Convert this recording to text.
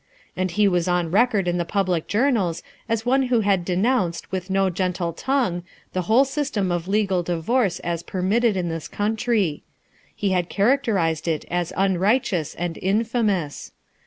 And he was on record in the public journals as one who had denounced with no gentle tongue the whole system of legal divorce as permitted in this country; he had characterized it as unrighteous and infamous.